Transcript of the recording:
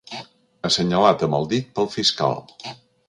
Assenyalat amb el dit pel fiscal.